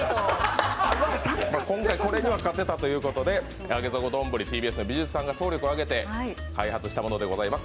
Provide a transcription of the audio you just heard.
今回、これには勝てたということで上げ底どんぶりＴＢＳの美術さんが総力を挙げて開発したものです。